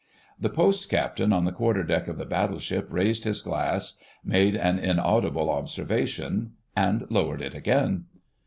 The Post Captain on the quarter deck of the Battleship raised his glass, made an inaudible observation, and lowered it again.